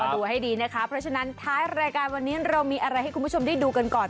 ดูให้ดีนะคะเพราะฉะนั้นท้ายรายการวันนี้เรามีอะไรให้คุณผู้ชมได้ดูกันก่อน